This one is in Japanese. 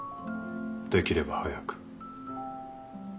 できれば早く。